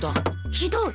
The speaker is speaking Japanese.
ひどい。